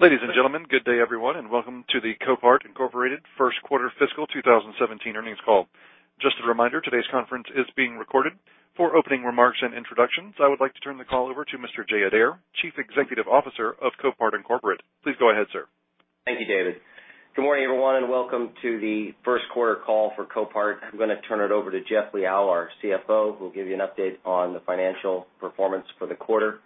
Ladies and gentlemen, good day, everyone, and welcome to the Copart, Inc. First Quarter Fiscal 2017 earnings call. Just a reminder, today's conference is being recorded. For opening remarks and introductions, I would like to turn the call over to Mr. Jay Adair, Chief Executive Officer of Copart, Inc. Please go ahead, sir. Thank you, David. Good morning, everyone, and welcome to the first quarter call for Copart. I'm going to turn it over to Jeff Liaw, our CFO, who will give you an update on the financial performance for the quarter.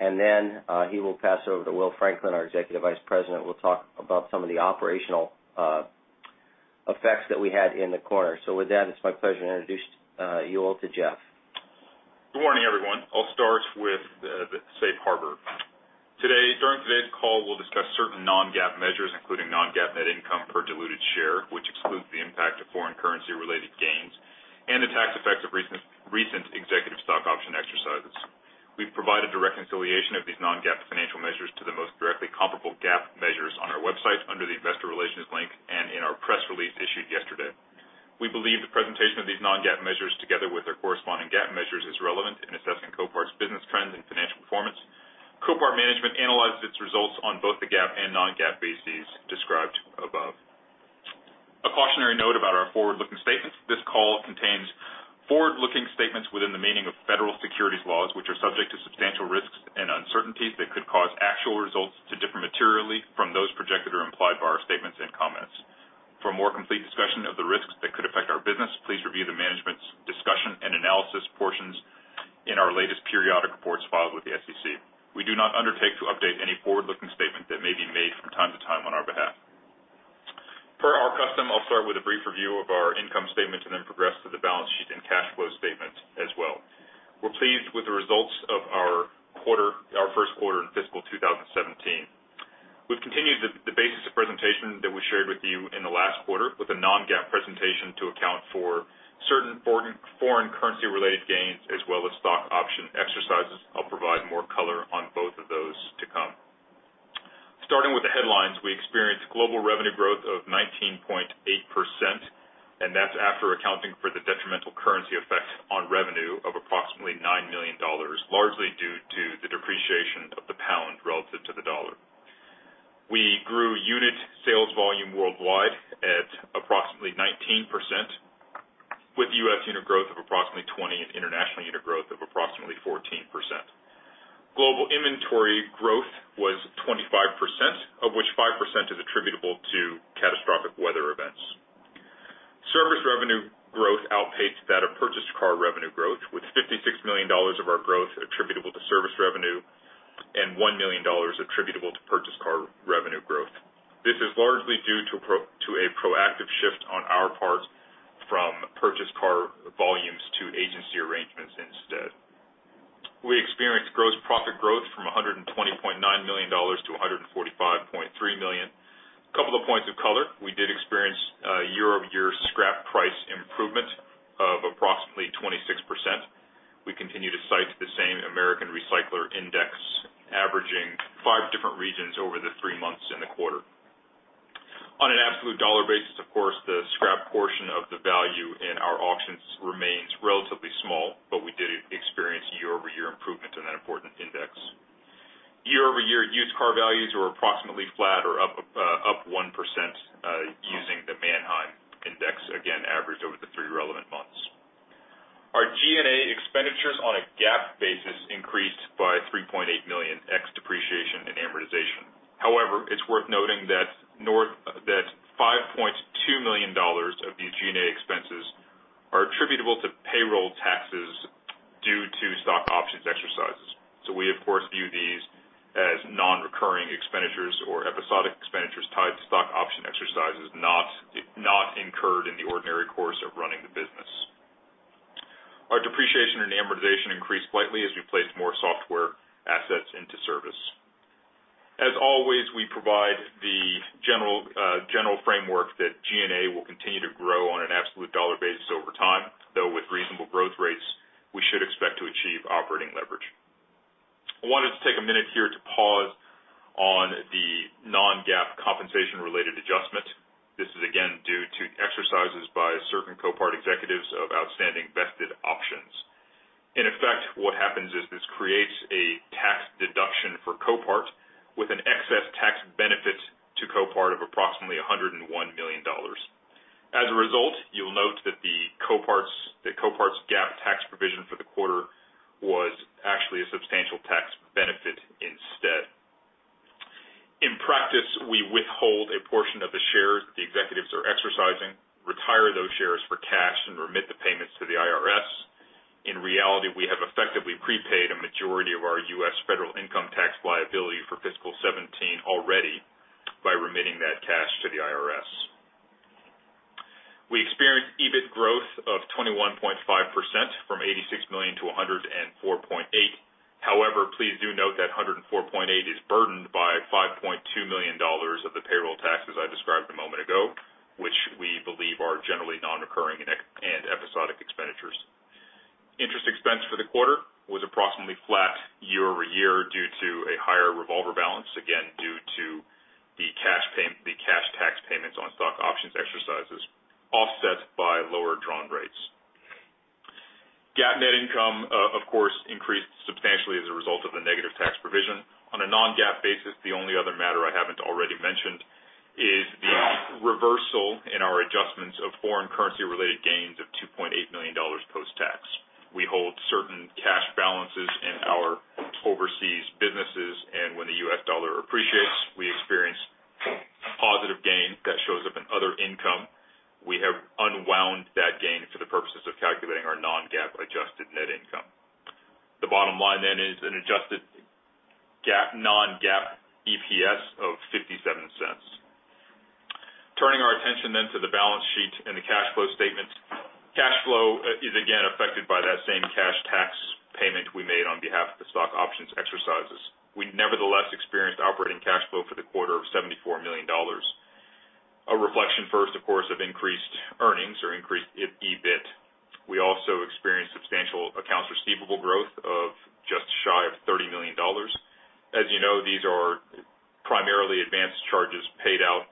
Then he will pass over to Will Franklin, our Executive Vice President, who will talk about some of the operational effects that we had in the quarter. With that, it's my pleasure to introduce you all to Jeff. Good morning, everyone. I'll start with the safe harbor. During today's call, we'll discuss certain non-GAAP measures, including non-GAAP net income per diluted share, which excludes the impact of foreign currency-related gains and the tax effects of recent executive stock option exercises. We've provided a reconciliation of these non-GAAP financial measures to the most directly comparable GAAP measures on our website under the investor relations link and in our press release issued yesterday. We believe the presentation of these non-GAAP measures, together with their corresponding GAAP measures, is relevant in assessing Copart's business trends and financial performance. Copart management analyzes its results on both the GAAP and non-GAAP bases described above. A cautionary note about our forward-looking statements. This call contains forward-looking statements within the meaning of federal securities laws, which are subject to substantial risks and uncertainties that could cause actual results to differ materially from those projected or implied by our statements and comments. For a more complete discussion of the risks that could affect our business, please review the management's discussion and analysis portions in our latest periodic reports filed with the SEC. We do not undertake to update any forward-looking statement that may be made from time to time on our behalf. Per our custom, I'll start with a brief review of our income statement and then progress to the balance sheet and cash flow statement as well. We're pleased with the results of our first quarter in fiscal 2017. We've continued the basis of presentation that we shared with you in the last quarter with a non-GAAP presentation to account for certain foreign currency-related gains as well as stock option exercises. I'll provide more color on both of those to come. Starting with the headlines, we experienced global revenue growth of 19.8%, and that's after accounting for the detrimental currency effect on revenue of approximately $9 million, largely due to the depreciation of the GBP relative to the USD. We grew unit sales volume worldwide at approximately 19%, with U.S. unit growth of approximately 20% and international unit growth of approximately 14%. Global inventory growth was 25%, of which 5% is attributable to catastrophic weather events. Service revenue growth outpaced that of purchased car revenue growth, with $56 million of our growth attributable to service revenue and $1 million attributable to purchased car revenue growth. This is largely due to a proactive shift on our part from purchased car volumes to agency arrangements instead. We experienced gross profit growth from $120.9 million to $145.3 million. A couple of points of color. We did experience year-over-year scrap price improvement of approximately 26%. We continue to cite the same American Recycler index, averaging five different regions over the three months in the quarter. On an absolute dollar basis, of course, the scrap portion of the value in our auctions remains relatively small, but we did experience year-over-year improvement in that important index. Year-over-year used car values were approximately flat or up 1% using the Manheim index, again, averaged over the three relevant months. Our G&A expenditures on a GAAP basis increased by $3.8 million ex depreciation and amortization. It's worth noting that $5.2 million of these G&A expenses are attributable to payroll taxes due to stock options exercises. We, of course, view these as non-recurring expenditures or episodic expenditures tied to stock option exercises, not incurred in the ordinary course of running the business. Our depreciation and amortization increased slightly as we placed more software assets into service. As always, we provide the general framework that G&A will continue to grow on an absolute dollar basis over time, though with reasonable growth rates, we should expect to achieve operating leverage. I wanted to take a minute here to pause on the non-GAAP compensation related adjustment. This is again due to exercises by certain Copart executives of outstanding vested options. In effect, what happens is this creates a tax deduction for Copart with an excess tax benefit to Copart of approximately $101 million. You'll note that Copart's GAAP tax provision for the quarter was actually a substantial tax benefit instead. In practice, we withhold a portion of the shares the executives are exercising, retire those shares for cash, and remit the payments to the IRS. In reality, we have effectively prepaid a majority of our U.S. federal income tax liability for fiscal 2017 already by remitting that cash to the IRS. We experienced EBIT growth of 21.5% from $86 million to $104.8 million. Please do note that $104.8 million is burdened by $5.2 million of the payroll taxes I described a moment ago, which we believe are generally non-recurring and episodic expenditures. Interest expense for the quarter was approximately flat year-over-year due to a higher revolver balance, again, due to the cash exercises, offset by lower drawn rates. GAAP net income, of course, increased substantially as a result of the negative tax provision. On a non-GAAP basis, the only other matter I haven't already mentioned is the reversal in our adjustments of foreign currency-related gains of $2.8 million post-tax. We hold certain cash balances in our overseas businesses, and when the U.S. dollar appreciates, we experience a positive gain that shows up in other income. We have unwound that gain for the purposes of calculating our non-GAAP adjusted net income. The bottom line then is an adjusted non-GAAP EPS of $0.57. Turning our attention to the balance sheet and the cash flow statement. Cash flow is again affected by that same cash tax payment we made on behalf of the stock options exercises. We nevertheless experienced operating cash flow for the quarter of $74 million. A reflection first, of course, of increased earnings or increased EBIT. We also experienced substantial accounts receivable growth of just shy of $30 million. As you know, these are primarily advanced charges paid out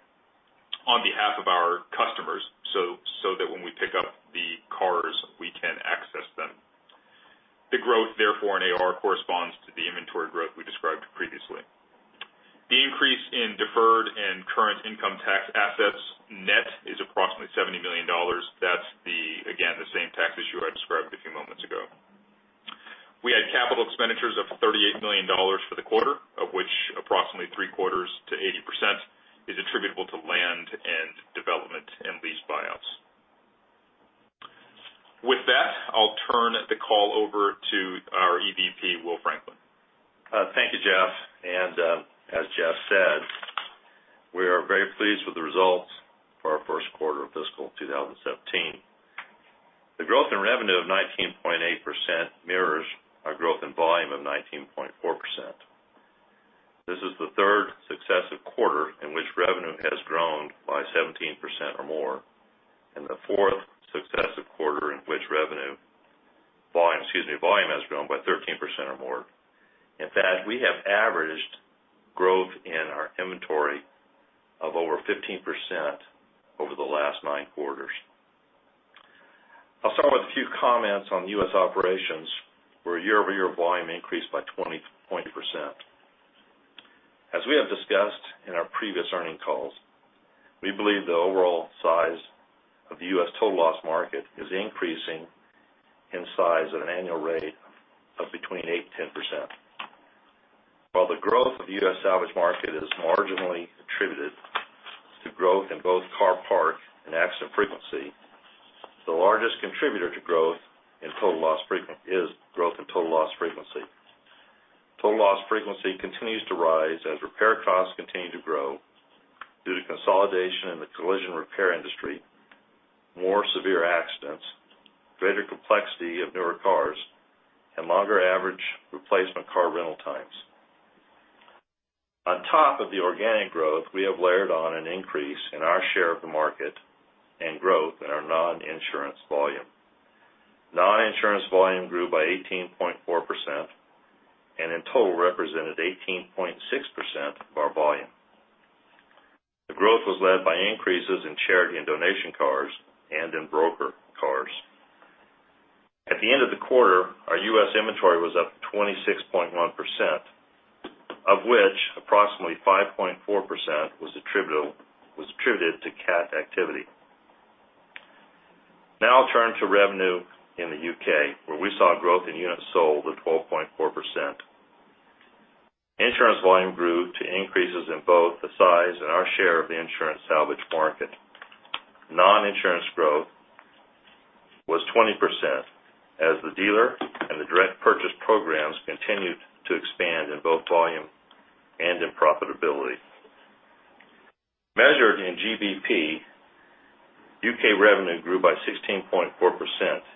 on behalf of our customers, so that when we pick up the cars, we can access them. The growth, therefore, in AR corresponds to the inventory growth we described previously. The increase in deferred and current income tax assets net is approximately $70 million. That's, again, the same tax issue I described a few moments ago. We had capital expenditures of $38 million for the quarter, of which approximately three-quarters to 80% is attributable to land and development and lease buyouts. With that, I'll turn the call over to our EVP, Will Franklin. Thank you, Jeff. As Jeff said, we are very pleased with the results for our first quarter of fiscal 2017. The growth in revenue of 19.8% mirrors our growth in volume of 19.4%. This is the third successive quarter in which revenue has grown by 17% or more, and the fourth successive quarter in which revenue, volume, excuse me, volume has grown by 13% or more. In fact, we have averaged growth in our inventory of over 15% over the last nine quarters. I'll start with a few comments on U.S. operations, where year-over-year volume increased by 20.2%. As we have discussed in our previous earning calls, we believe the overall size of the U.S. total loss market is increasing in size at an annual rate of between 8%-10%. While the growth of the U.S. salvage market is marginally attributed to growth in both car park and accident frequency, the largest contributor to growth is growth in total loss frequency. Total loss frequency continues to rise as repair costs continue to grow due to consolidation in the collision repair industry, more severe accidents, greater complexity of newer cars, and longer average replacement car rental times. On top of the organic growth, we have layered on an increase in our share of the market and growth in our non-insurance volume. Non-insurance volume grew by 18.4% and in total represented 18.6% of our volume. The growth was led by increases in charity and donation cars and in broker cars. At the end of the quarter, our U.S. inventory was up 26.1%, of which approximately 5.4% was attributed to CAT activity. I'll turn to revenue in the U.K., where we saw growth in units sold of 12.4%. Insurance volume grew to increases in both the size and our share of the insurance salvage market. Non-insurance growth was 20% as the dealer and the direct purchase programs continued to expand in both volume and in profitability. Measured in GBP, U.K. revenue grew by 16.4%,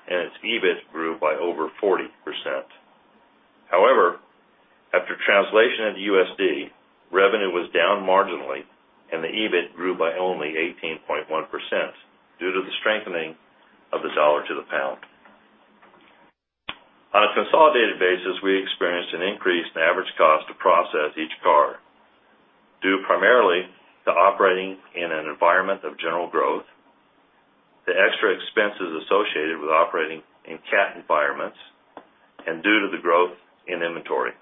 and its EBIT grew by over 40%. After translation into USD, revenue was down marginally, and the EBIT grew by only 18.1% due to the strengthening of the dollar to the pound. On a consolidated basis, we experienced an increase in average cost to process each car due primarily to operating in an environment of general growth, the extra expenses associated with operating in CAT environments, and due to the growth in inventory.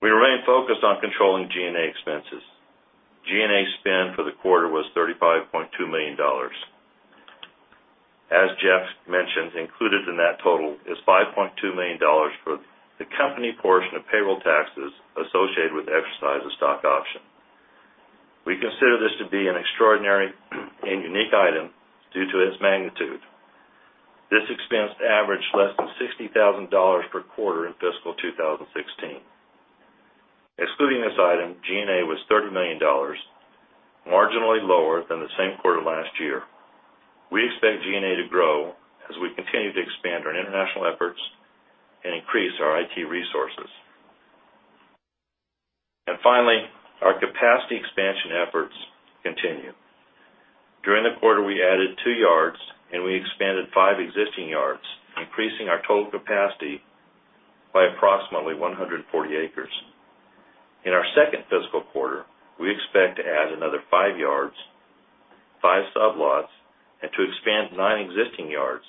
We remain focused on controlling G&A expenses. G&A spend for the quarter was $35.2 million. As Jeff mentioned, included in that total is $5.2 million for the company portion of payroll taxes associated with the exercise of stock option. We consider this to be an extraordinary and unique item due to its magnitude. This expense averaged less than $60,000 per quarter in fiscal 2016. Excluding this item, G&A was $30 million, marginally lower than the same quarter last year. We expect G&A to grow as we continue to expand our international efforts and increase our IT resources. Finally, our capacity expansion efforts continue. During the quarter, we added two yards, and we expanded five existing yards, increasing our total capacity by approximately 140 acres. In our second fiscal quarter, we expect to add another five yards, five sublots, and to expand nine existing yards,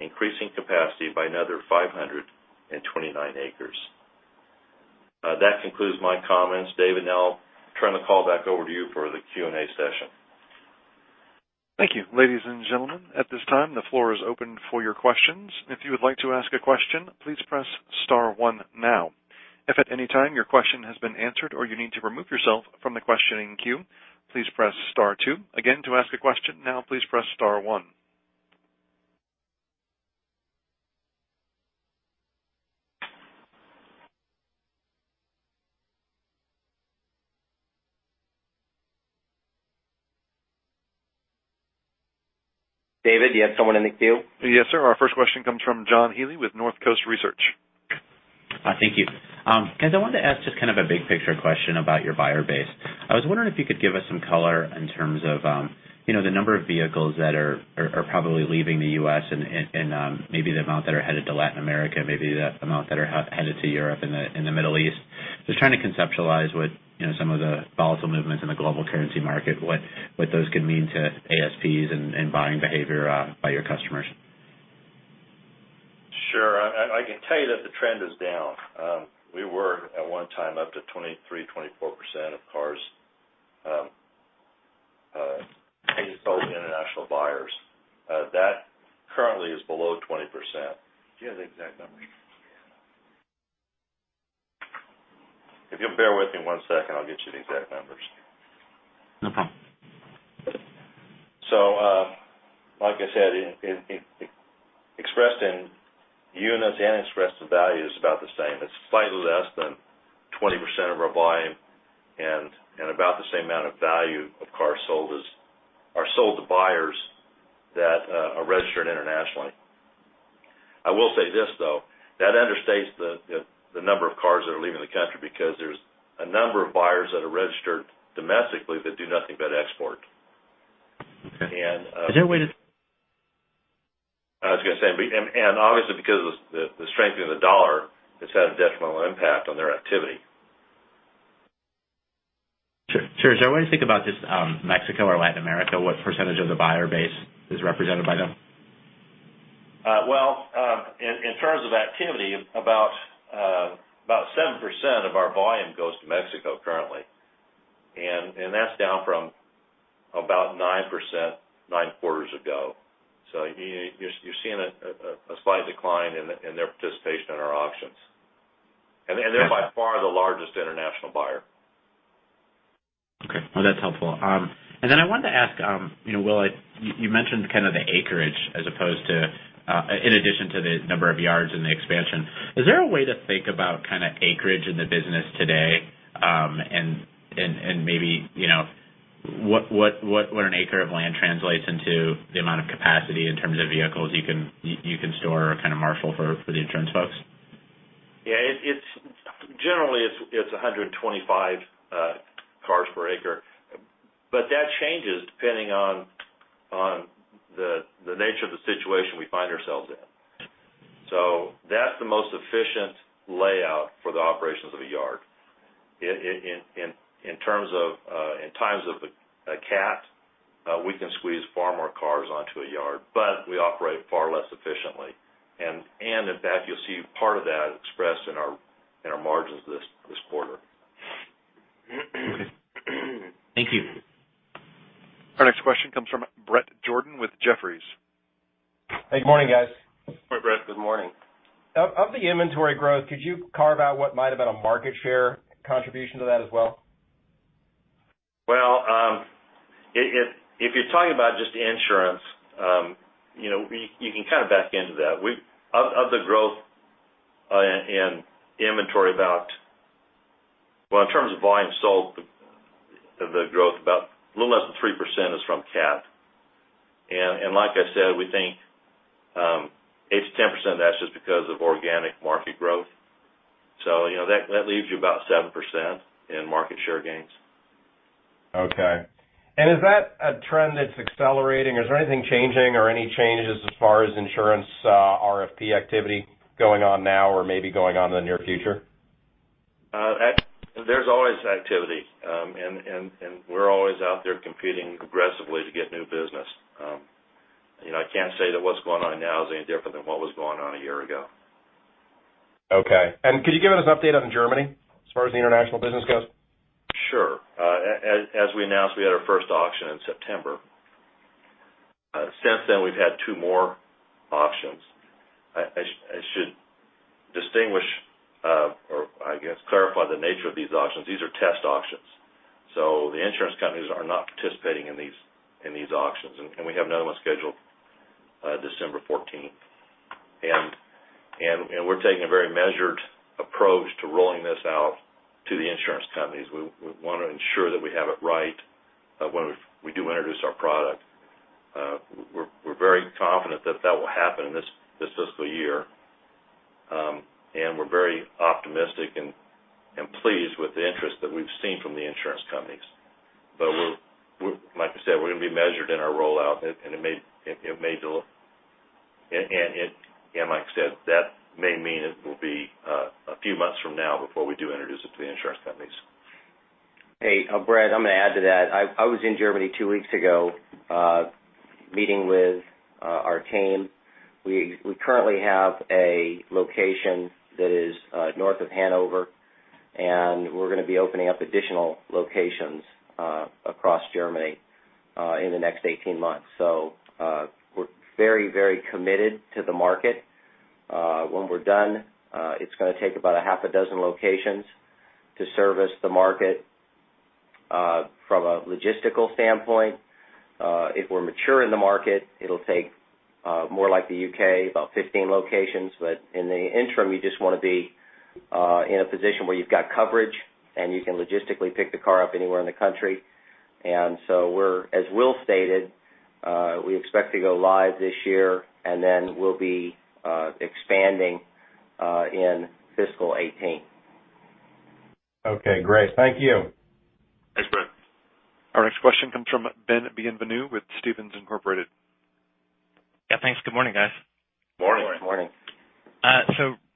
increasing capacity by another 529 acres. That concludes my comments. David, I'll turn the call back over to you for the Q&A session. Thank you. Ladies and gentlemen, at this time, the floor is open for your questions. If you would like to ask a question, please press star one now. If at any time your question has been answered or you need to remove yourself from the questioning queue, please press star two. Again, to ask a question now, please press star one. David, do you have someone in the queue? Yes, sir. Our first question comes from John Healy with Northcoast Research. Hi. Thank you. Guys, I wanted to ask just kind of a big picture question about your buyer base. I was wondering if you could give us some color in terms of the number of vehicles that are probably leaving the U.S. and maybe the amount that are headed to Latin America, maybe the amount that are headed to Europe and the Middle East. Just trying to conceptualize what some of the volatile movements in the global currency market, what those could mean to ASPs and buying behavior by your customers. Sure. I can tell you that the trend is down. We were at one time up to 23%, 24% of cars being sold to international buyers. That currently is below 20%. Do you have the exact numbers? If you'll bear with me one second, I'll get you the exact numbers. No problem. Like I said, expressed in units and expressed in value is about the same. It's slightly less than 20% of our volume, and about the same amount of value of cars sold are sold to buyers that are registered internationally. I will say this, though, that understates the number of cars that are leaving the country, because there's a number of buyers that are registered domestically that do nothing but export. Okay. Is there a way to. I was going to say, obviously because of the strengthening of the dollar, it's had a detrimental impact on their activity. Sure. Is there a way to think about just Mexico or Latin America, what percentage of the buyer base is represented by them? Well, in terms of activity, about 7% of our volume goes to Mexico currently. That's down from about 9%, nine quarters ago. You're seeing a slight decline in their participation in our auctions. They're. Okay by far the largest international buyer. Okay. Well, that's helpful. I wanted to ask, you mentioned kind of the acreage in addition to the number of yards and the expansion. Is there a way to think about acreage in the business today, and maybe what an acre of land translates into the amount of capacity in terms of vehicles you can store or kind of marshal for the insurance folks? Yeah. Generally, it's 125 cars per acre. That changes depending on the nature of the situation we find ourselves in. That's the most efficient layout for the operations of a yard. In times of a CAT, we can squeeze far more cars onto a yard, but we operate far less efficiently. In fact, you'll see part of that expressed in our margins this quarter. Okay. Thank you. Our next question comes from Bret Jordan with Jefferies. Hey, good morning, guys. Hi, Bret. Good morning. Of the inventory growth, could you carve out what might've been a market share contribution to that as well? Well, if you're talking about just insurance, you can kind of back into that. Of the growth in inventory, well, in terms of volume sold, the growth, about a little less than 3% is from CAT. Like I said, we think 8%-10% of that's just because of organic market growth. That leaves you about 7% in market share gains. Okay. Is that a trend that's accelerating? Is there anything changing or any changes as far as insurance RFP activity going on now or maybe going on in the near future? There's always activity. We're always out there competing aggressively to get new business. I can't say that what's going on now is any different than what was going on a year ago. Okay. Could you give us an update on Germany, as far as the international business goes? Sure. As we announced, we had our first auction in September. Since then, we've had two more auctions. I should distinguish or I guess clarify the nature of these auctions. These are test auctions. The insurance companies are not participating in these auctions. We have another one scheduled December 14th. We're taking a very measured approach to rolling this out to the insurance companies. We want to ensure that we have it right when we do introduce our product. We're very confident that that will happen in this fiscal year. We're very optimistic and pleased with the interest that we've seen from the insurance companies. We're going to be measured in our rollout, and it may delay. Like I said, that may mean it will be a few months from now before we do introduce it to the insurance companies. Hey, Bret, I'm going to add to that. I was in Germany two weeks ago meeting with our team. We currently have a location that is north of Hanover, and we're going to be opening up additional locations across Germany in the next 18 months. We're very committed to the market. When we're done it's going to take about a half a dozen locations to service the market from a logistical standpoint. If we're mature in the market, it'll take more like the U.K., about 15 locations. In the interim, you just want to be in a position where you've got coverage and you can logistically pick the car up anywhere in the country. As Will stated, we expect to go live this year, and then we'll be expanding in fiscal 2018. Okay, great. Thank you. Thanks, Bret. Our next question comes from Ben Bienvenu with Stephens Inc. Yeah, thanks. Good morning, guys. Morning. Morning.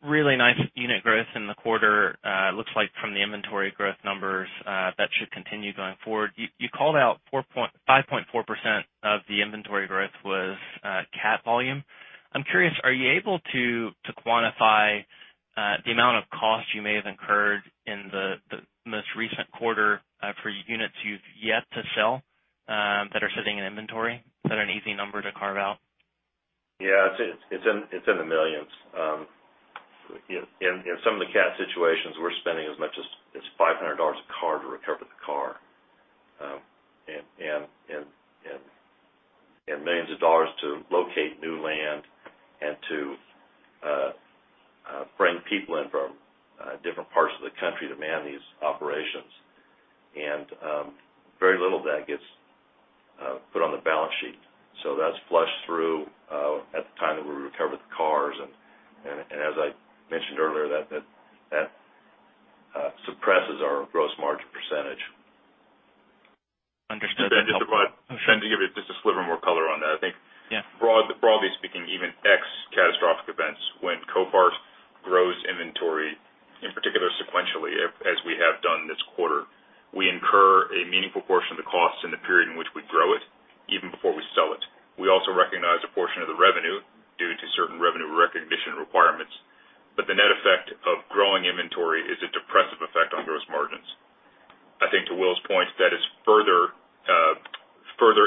Really nice unit growth in the quarter. Looks like from the inventory growth numbers that should continue going forward. You called out 5.4% of the inventory growth was CAT volume. I'm curious, are you able to quantify the amount of cost you may have incurred in the most recent quarter for units you've yet to sell that are sitting in inventory? Is that an easy number to carve out? Yeah, it's in the millions. In some of the CAT situations, we're spending as much as $500 a car to recover the car. Millions of dollars to locate new land and to bring people in from different parts of the country to man these operations. Very little of that gets put on the balance sheet. That's flushed through at the time that we recover the cars. As I mentioned earlier, that suppresses our gross margin percentage. Understood. Ben, trying to give you just a sliver more color on that. Yeah Broadly speaking, even ex catastrophic events, when Copart grows inventory, in particular sequentially, as we have done this quarter, we incur a meaningful portion of the cost in the period in which we grow it, even before we sell it. We also recognize a portion of the revenue due to certain revenue recognition requirements. The net effect of growing inventory is a depressive effect on gross margins. I think to Will's point, that is further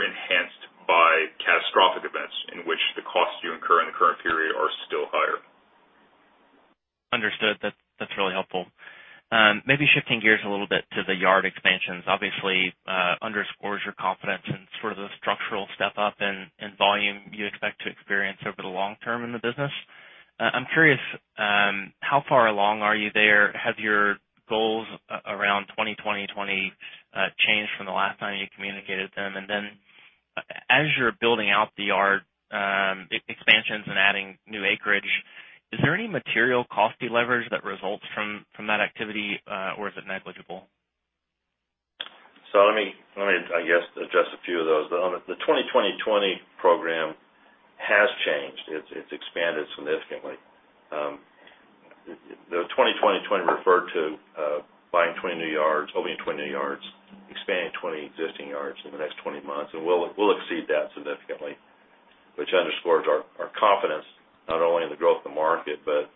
enhanced by catastrophic events in which the costs you incur in the current period are still higher. Understood. That's really helpful. Maybe shifting gears a little bit to the yard expansions. Obviously underscores your confidence in sort of the structural step-up in volume you expect to experience over the long term in the business. I'm curious, how far along are you there? Have your goals around 20/20/20 changed from the last time you communicated them? As you're building out the yard expansions and adding new acreage, is there any material cost deleverage that results from that activity or is it negligible? Let me, I guess, address a few of those. The 20/20/20 program has changed. It's expanded significantly. The 20/20/20 referred to buying 20 new yards, opening 20 new yards, expanding 20 existing yards in the next 20 months. We'll exceed that significantly, which underscores our confidence not only in the growth of the market, but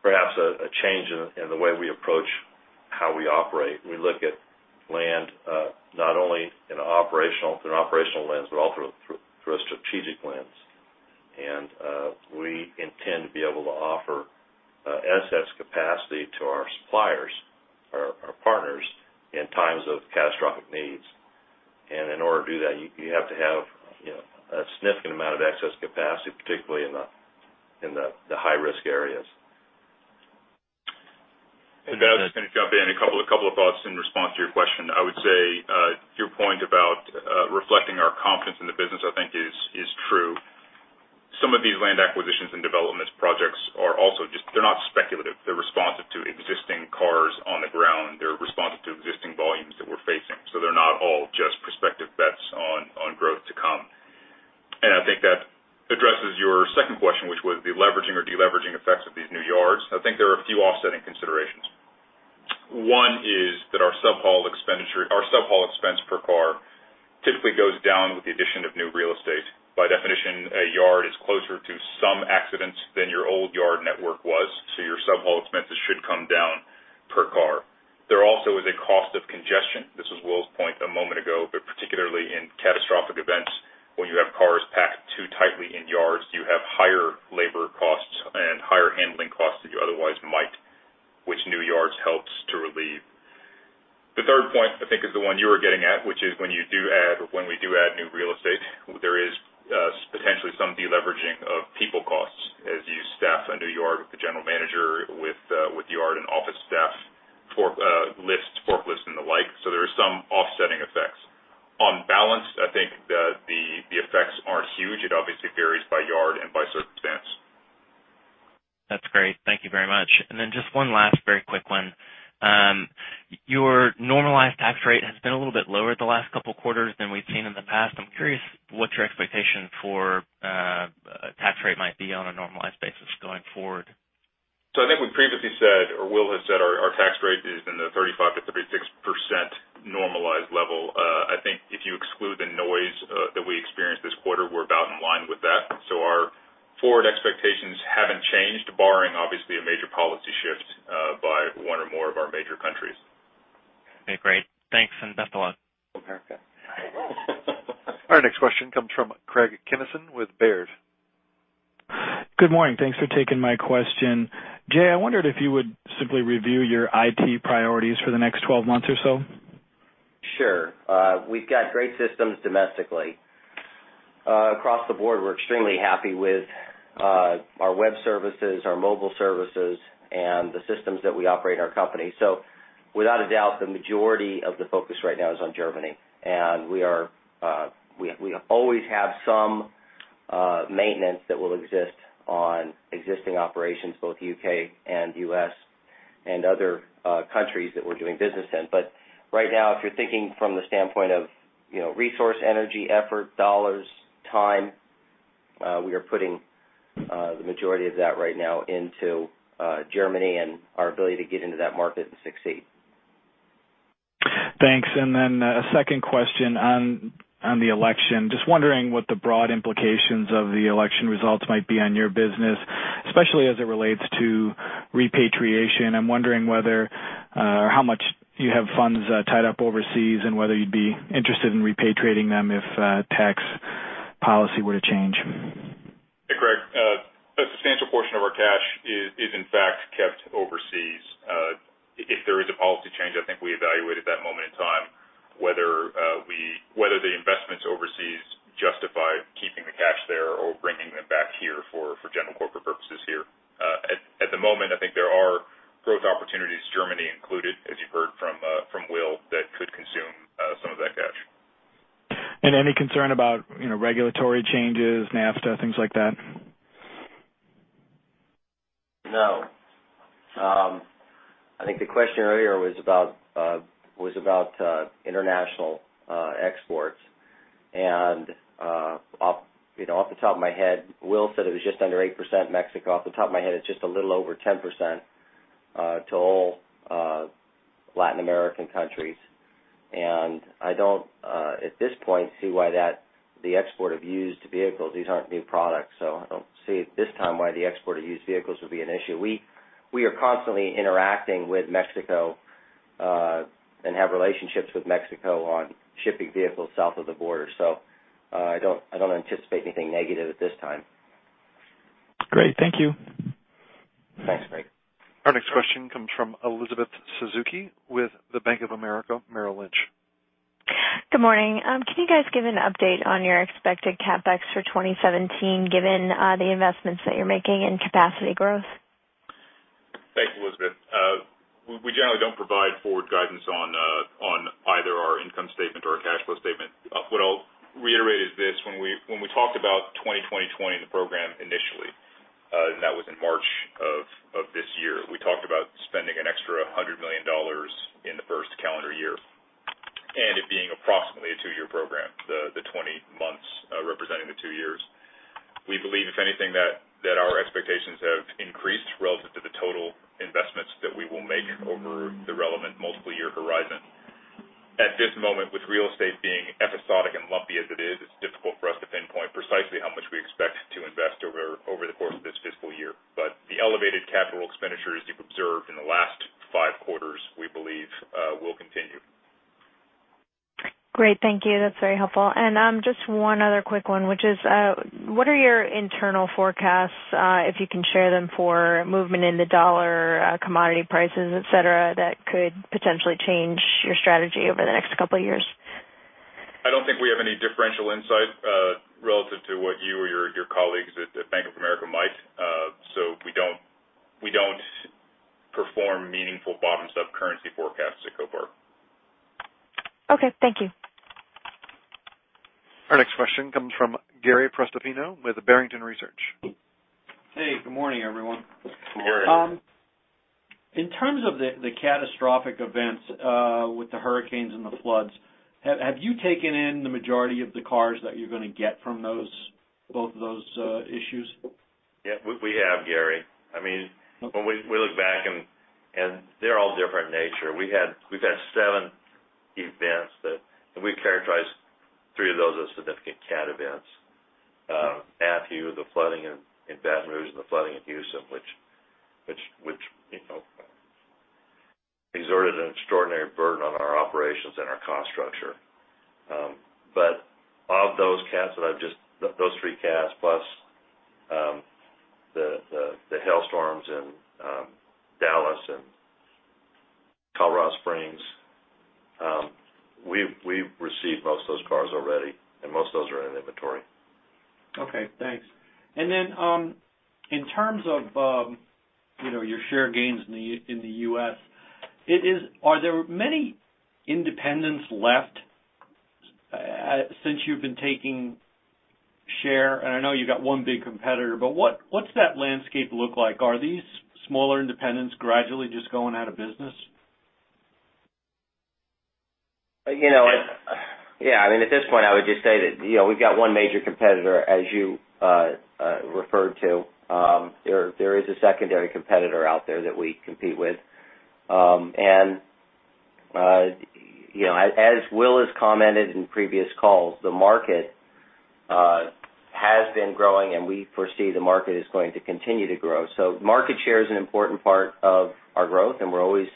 perhaps a change in the way we approach how we operate. We look at land not only through an operational lens, but also through a strategic lens. We intend to be able to offer excess capacity to our suppliers, our partners in times of catastrophic needs. In order to do that, you have to have a significant amount of excess capacity, particularly in the high-risk areas. Ben, I'm just going to jump in. A couple of thoughts in response to your question. I would say your point about reflecting our confidence in the business, I think is true. Some of these land acquisitions and developments projects are also, they're not speculative. They're responsive to existing cars on the ground. They're responsive to existing volumes that we're facing. They're not all just prospective bets on growth to come. I think that addresses your second question, which was the leveraging or deleveraging effects of these new yards. I think there are a few offsetting considerations. One is that our subhaul expense per car typically goes down with the addition of new real estate. By definition, a yard is closer to some accidents than your old yard network was, your subhaul expenses should come down per car. There also is a cost of congestion. This was Will's point a moment ago, particularly in catastrophic events, when you have cars packed too tightly in yards, you have higher labor costs and higher handling costs than you otherwise might, which new yards helps to relieve. The third point, I think, is the one you were getting at, which is when you do add or when we do add new real estate, there is potentially some deleveraging of people costs as you staff a new yard with the general manager, with yard and office staff, forklifts, and the like. There is some offsetting effects. On balance, there are some offsetting effects. Just one last very quick one. Your normalized tax rate has been a little bit lower the last couple quarters than we've seen in the past. I'm curious what your expectation for tax rate might be on a normalized basis going forward. I think we previously said, or Will has said, our tax rate is in the 35%-36% normalized level. I think if you exclude the noise that we experienced this quarter, we're about in line with that. Our forward expectations haven't changed, barring, obviously, a major policy shift by one or more of our major countries. Okay, great. Thanks and best of luck. Okay. Our next question comes from Craig Kennison with Baird. Good morning. Thanks for taking my question. Jay, I wondered if you would simply review your IT priorities for the next 12 months or so. Sure. We've got great systems domestically. Across the board, we're extremely happy with our web services, our mobile services, and the systems that we operate in our company. Without a doubt, the majority of the focus right now is on Germany. We always have some maintenance that will exist on existing operations, both U.K. and U.S., and other countries that we're doing business in. Right now, if you're thinking from the standpoint of resource, energy, effort, dollars, time, we are putting the majority of that right now into Germany and our ability to get into that market and succeed. Thanks. A second question on the election. Just wondering what the broad implications of the election results might be on your business, especially as it relates to repatriation. I'm wondering how much you have funds tied up overseas, and whether you'd be interested in repatriating them if tax policy were to change. Hey, Craig. A substantial portion of our cash is in fact kept overseas. If there is a policy change, I think we evaluate at that moment in time whether the investments overseas justify keeping the cash there or bringing them back here for general corporate purposes here. At the moment, I think there are growth opportunities, Germany included, as you heard from Will, that could consume some of that cash. Any concern about regulatory changes, NAFTA, things like that? No. I think the question earlier was about international exports. Off the top of my head, Will said it was just under 8% Mexico. Off the top of my head, it's just a little over 10% to all Latin American countries. I don't, at this point, see why the export of used vehicles, these aren't new products, so I don't see at this time why the export of used vehicles would be an issue. We are constantly interacting with Mexico, and have relationships with Mexico on shipping vehicles south of the border. I don't anticipate anything negative at this time. Great. Thank you. Thanks, Craig. Our next question comes from Elizabeth Suzuki with Bank of America Merrill Lynch. Good morning. Can you guys give an update on your expected CapEx for 2017, given the investments that you're making in capacity growth? Thanks, Elizabeth. We generally don't provide forward guidance on either our income statement or our cash flow statement. What I'll reiterate is this. When we talked about 20/20/20, the program initially, and that was in March of this year, we talked about spending an extra $100 million in the first calendar year, and it being approximately a two-year program, the 20 months representing the two years. We believe, if anything, that our expectations have increased relative to the total investments that we will make over the relevant multiple year horizon. At this moment, with real estate being episodic and lumpy as it is, it's difficult for us to pinpoint precisely how much we expect to invest over the course of this fiscal year. The elevated capital expenditures you've observed in the last five quarters, we believe, will continue. Great. Thank you. That's very helpful. Just one other quick one, which is what are your internal forecasts, if you can share them, for movement in the dollar, commodity prices, et cetera, that could potentially change your strategy over the next couple years? I don't think we have any differential insight relative to what you or your colleagues at Bank of America might. We don't perform meaningful bottom-up currency forecasts at Copart. Okay. Thank you. Our next question comes from Gary Prestopino with Barrington Research. Hey, good morning, everyone. Gary. In terms of the catastrophic events with the hurricanes and the floods, have you taken in the majority of the cars that you're going to get from both of those issues? Yeah, we have, Gary. When we look back, they're all different nature. We've had seven events that we characterize three of those as significant cat events. Matthew, the flooding in Baton Rouge, and the flooding in Houston, which exerted an extraordinary burden on our operations and our cost structure. Of those three cats, plus the hailstorms in Dallas and Colorado Springs, we've received most of those cars already, and most of those are in inventory. Okay, thanks. In terms of your share gains in the U.S., are there many independents left since you've been taking share, and I know you've got one big competitor, but what's that landscape look like? Are these smaller independents gradually just going out of business? Yeah. At this point, I would just say that we've got one major competitor, as you referred to. There is a secondary competitor out there that we compete with. As Will has commented in previous calls, the market has been growing, and we foresee the market is going to continue to grow. Market share is an important part of our growth, and we're always,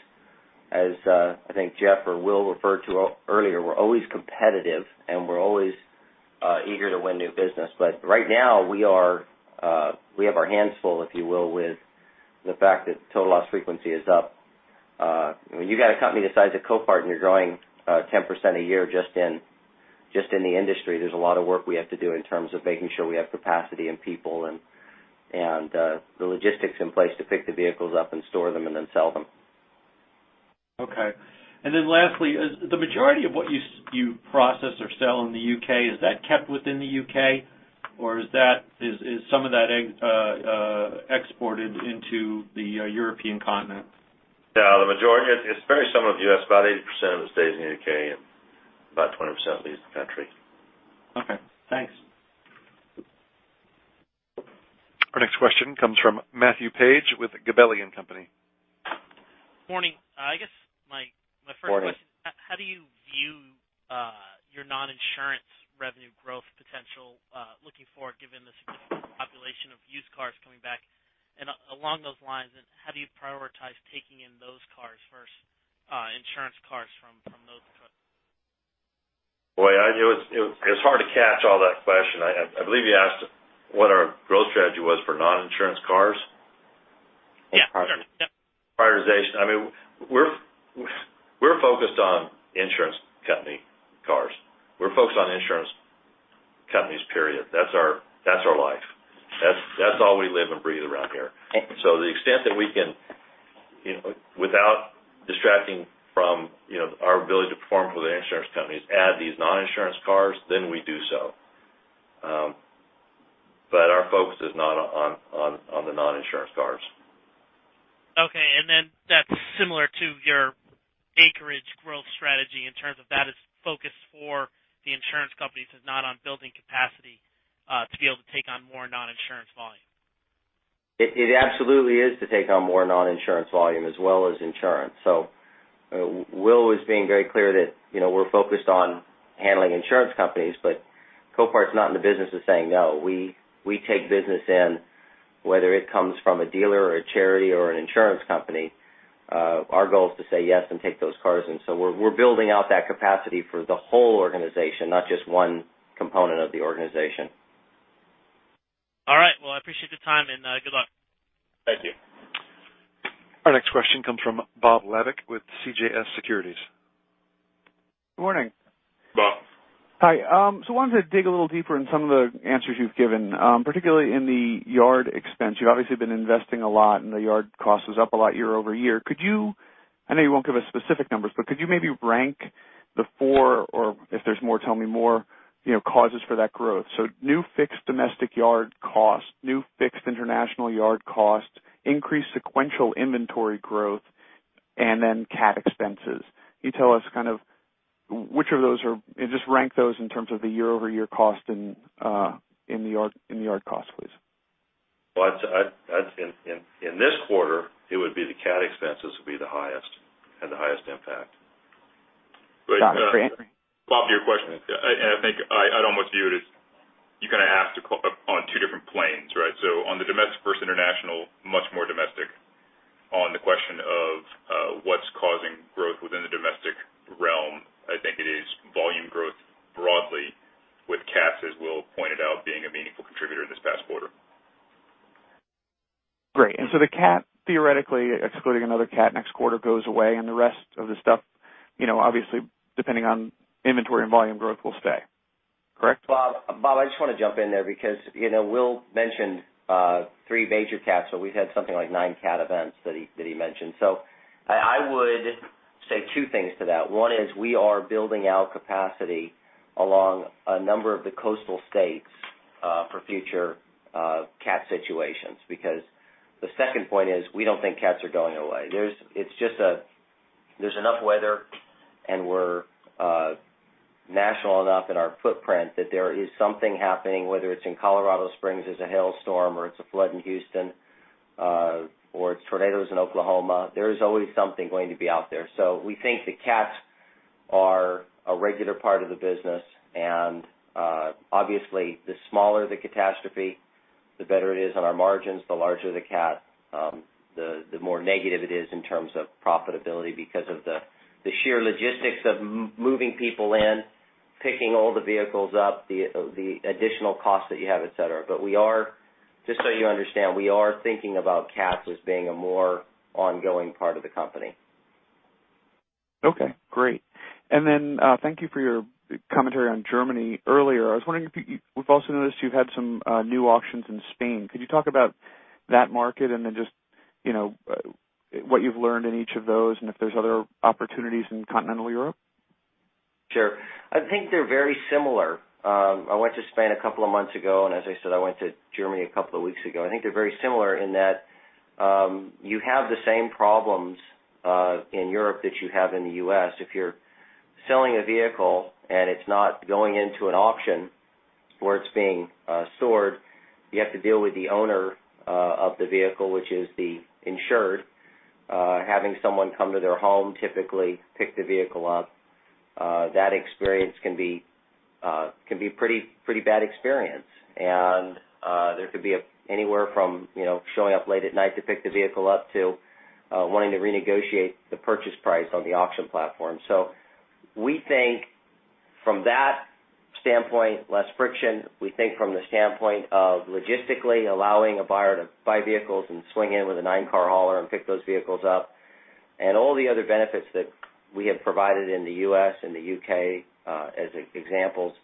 as I think Jeff or Will referred to earlier, we're always competitive, and we're always eager to win new business. Right now we have our hands full, if you will, with the fact that total loss frequency is up. When you got a company the size of Copart and you're growing 10% a year just in the industry, there's a lot of work we have to do in terms of making sure we have capacity and people and the logistics in place to pick the vehicles up and store them, and then sell them. Okay. Lastly, the majority of what you process or sell in the U.K., is that kept within the U.K., or is some of that exported into the European continent? No. It's very similar to the U.S. About 80% of it stays in the U.K., 20% leaves the country. Okay, thanks. Our next question comes from Matthew Paige with Gabelli & Company. Morning. I guess my first question. Morning. How do you view your non-insurance revenue growth potential looking forward, given the significant population of used cars coming back? Along those lines, how do you prioritize taking in those cars versus insurance cars from those trucks? Boy, it was hard to catch all that question. I believe you asked what our growth strategy was for non-insurance cars? Yeah. Prioritization. We are focused on insurance company cars. We are focused on insurance companies, period. That is our life. That is all we live and breathe around here. Okay. The extent that we can, without distracting from our ability to perform for the insurance companies, add these non-insurance cars, then we do so. Our focus is not on the non-insurance cars. Okay. Then that's similar to your acreage growth strategy in terms of that is focused for the insurance companies, it's not on building capacity to be able to take on more non-insurance volume. It absolutely is to take on more non-insurance volume as well as insurance. Will was being very clear that we're focused on handling insurance companies, but Copart's not in the business of saying no. We take business in, whether it comes from a dealer or a charity or an insurance company. Our goal is to say yes and take those cars in. We're building out that capacity for the whole organization, not just one component of the organization. All right. I appreciate the time, and good luck. Thank you. Our next question comes from Bob Labick with CJS Securities. Good morning. Bob. Hi. I wanted to dig a little deeper in some of the answers you've given particularly in the yard expense. You've obviously been investing a lot, and the yard cost was up a lot year-over-year. I know you won't give us specific numbers, but could you maybe rank the four, or if there's more, tell me more, causes for that growth? New fixed domestic yard cost, new fixed international yard cost, increased sequential inventory growth, and then CAT expenses. Can you tell us which of those just rank those in terms of the year-over-year cost in the yard costs, please. In this quarter, it would be the CAT expenses would be the highest, have the highest impact. Got it. Bob, to your question, I think I'd almost view it as you kind of have to call upon two different planes, right? On the domestic versus international, much more domestic. On the question of what's causing growth within the domestic realm, I think it is volume growth broadly with CATs, as Will pointed out, being a meaningful contributor in this past quarter. Great. The CAT, theoretically excluding another CAT next quarter, goes away, and the rest of the stuff, obviously depending on inventory and volume growth, will stay. Correct? Bob, I just want to jump in there because Will mentioned three major CATs, but we've had something like nine CAT events that he mentioned. I would say two things to that. One is we are building out capacity along a number of the coastal states for future CAT situations because the second point is, we don't think CATs are going away. There's enough weather, and we're national enough in our footprint that there is something happening, whether it's in Colorado Springs, there's a hailstorm, or it's a flood in Houston, or it's tornadoes in Oklahoma. There's always something going to be out there. We think the CATs are a regular part of the business, and obviously the smaller the catastrophe, the better it is on our margins. The larger the CAT, the more negative it is in terms of profitability because of the sheer logistics of moving people in, picking all the vehicles up, the additional costs that you have, et cetera. Just so you understand, we are thinking about CATs as being a more ongoing part of the company. Okay, great. Thank you for your commentary on Germany earlier. I was wondering if you-- we've also noticed you've had some new auctions in Spain. Could you talk about that market and then just what you've learned in each of those, and if there's other opportunities in continental Europe? Sure. I think they're very similar. I went to Spain a couple of months ago, as I said, I went to Germany a couple of weeks ago. I think they're very similar in that you have the same problems in Europe that you have in the U.S. If you're selling a vehicle and it's not going into an auction or it's being stored, you have to deal with the owner of the vehicle, which is the insured. Having someone come to their home, typically pick the vehicle up, that experience can be a pretty bad experience. There could be anywhere from showing up late at night to pick the vehicle up to wanting to renegotiate the purchase price on the auction platform. We think from that standpoint, less friction. We think from the standpoint of logistically allowing a buyer to buy vehicles and swing in with a nine-car hauler and pick those vehicles up, and all the other benefits that we have provided in the U.S. and the U.K., as examples.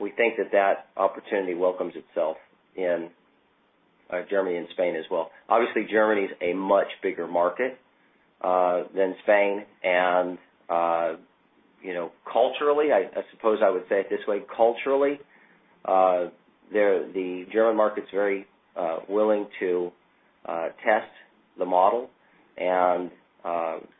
We think that that opportunity welcomes itself in Germany and Spain as well. Obviously, Germany is a much bigger market than Spain, and culturally, I suppose I would say it this way, culturally, the German market's very willing to test the model.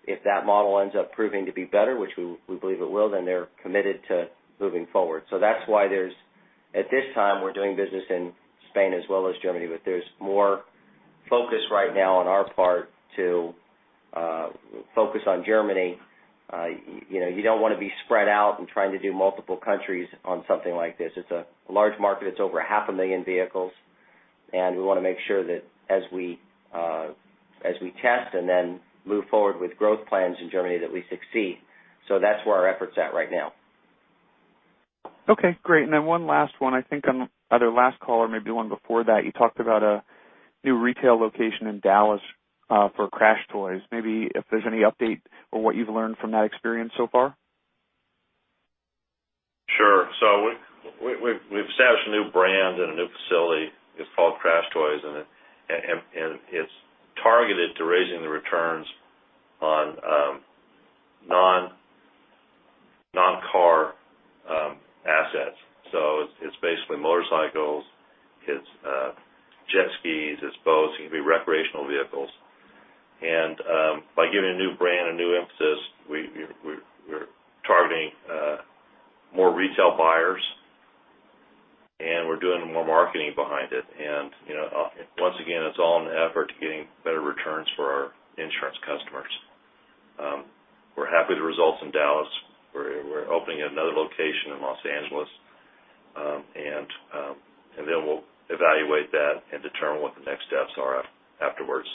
If that model ends up proving to be better, which we believe it will, then they're committed to moving forward. That's why at this time, we're doing business in Spain as well as Germany, but there's more focus right now on our part to focus on Germany. You don't want to be spread out and trying to do multiple countries on something like this. It's a large market. It's over half a million vehicles, and we want to make sure that as we test and then move forward with growth plans in Germany, that we succeed. That's where our effort's at right now. Okay, great. One last one. I think on either last call or maybe one before that, you talked about a new retail location in Dallas for CrashedToys. Maybe if there's any update or what you've learned from that experience so far? Sure. We've established a new brand and a new facility. It's called CrashedToys, and it's targeted to raising the returns on non-car assets. It's basically motorcycles, it's jet skis, it's boats, it can be recreational vehicles. By giving a new brand a new emphasis, we're targeting more retail buyers, and we're doing more marketing behind it. Once again, it's all in the effort to getting better returns for our insurance customers. We're happy with the results in Dallas. We're opening another location in Los Angeles, and then we'll evaluate that and determine what the next steps are afterwards.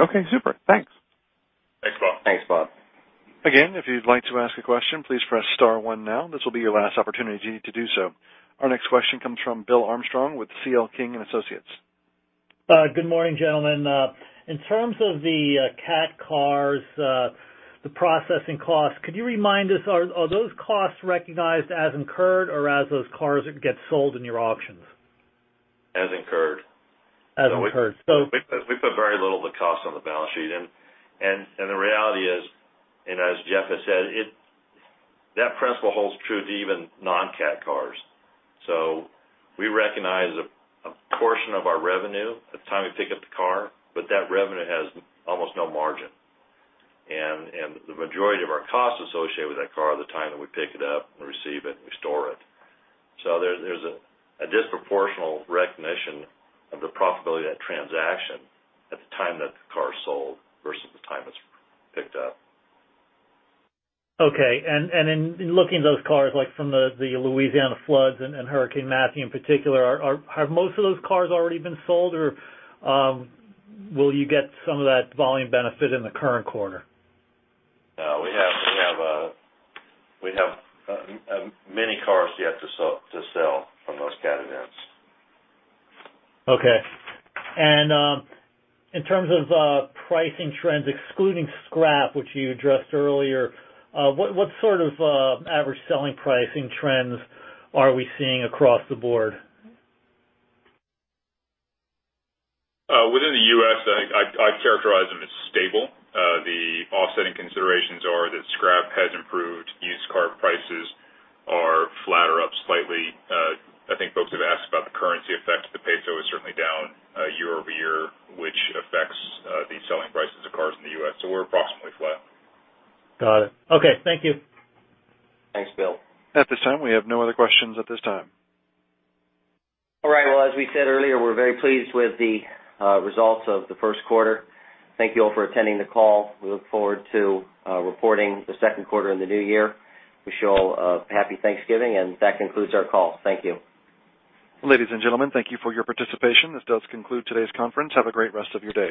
Okay, super. Thanks. Thanks, Bob. Thanks, Bob. Again, if you'd like to ask a question, please press star one now. This will be your last opportunity to do so. Our next question comes from Bill Armstrong with C.L. King & Associates. Good morning, gentlemen. In terms of the CAT cars, the processing costs, could you remind us, are those costs recognized as incurred or as those cars get sold in your auctions? As incurred. As incurred. We put very little of the cost on the balance sheet. The reality is, as Jeff has said, that principle holds true to even non-CAT cars. We recognize a portion of our revenue at the time we pick up the car, but that revenue has almost no margin. The majority of our costs associated with that car are the time that we pick it up, we receive it, we store it. There's a disproportional recognition of the profitability of that transaction at the time that the car is sold versus the time it's picked up. Okay. In looking at those cars, like from the Louisiana floods and Hurricane Matthew in particular, have most of those cars already been sold, or will you get some of that volume benefit in the current quarter? No, we have many cars yet to sell from those CAT events. Okay. In terms of pricing trends, excluding scrap, which you addressed earlier, what sort of average selling pricing trends are we seeing across the board? Within the U.S., I'd characterize them as stable. The offsetting considerations are that scrap has improved. Used car prices are flat or up slightly. I think folks have asked about the currency effect. The peso is certainly down year-over-year, which affects the selling prices of cars in the U.S. We're approximately flat. Got it. Okay. Thank you. Thanks, Bill. At this time, we have no other questions at this time. All right. Well, as we said earlier, we're very pleased with the results of the first quarter. Thank you all for attending the call. We look forward to reporting the second quarter in the new year. Wish you all a happy Thanksgiving. That concludes our call. Thank you. Ladies and gentlemen, thank you for your participation. This does conclude today's conference. Have a great rest of your day.